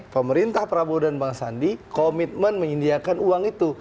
pemerintah prabowo dan bang sandi komitmen menyediakan uang itu